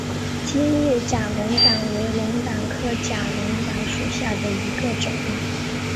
尖叶假龙胆为龙胆科假龙胆属下的一个种。